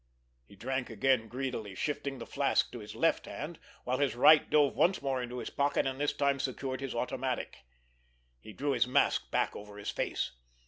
He drank again greedily, shifting the flask to his left hand, while his right dove once more into his pocket, and this time secured his automatic. He drew his mask back over his face.